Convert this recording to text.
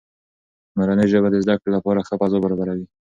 مورنۍ ژبه د زده کړې لپاره ښه فضا برابروي.